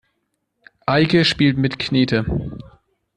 Eike spielt mit Knete.